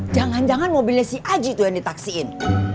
jangan jangan mobilnya si aji itu yang di taksi in